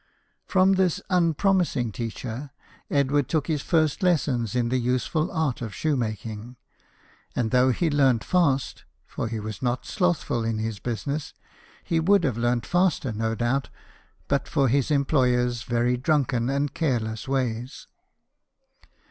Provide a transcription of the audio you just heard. From this unpromising teacher, Edward took his first lessons in the useful art of shoemaking ; and though he learned fast for he was not slothful in business he would have learned faster, no doubt, but for his employer's very drunken and careless ways.